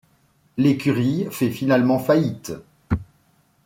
L'écurie fait finalement faillite.